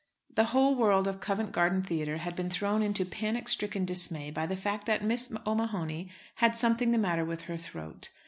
The whole world of Covent Garden Theatre had been thrown into panic stricken dismay by the fact that Miss O'Mahony had something the matter with her throat.